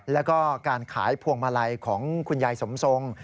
แล้วก็การขายพวงมาลัยของคุณยายสมทรง